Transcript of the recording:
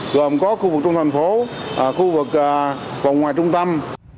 gồm có khu vực trong thành phố khu vực còn ngoài trung tâm